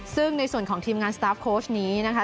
ซึ่งในส่วนของทีมงานสตาฟโค้ชนี้นะคะ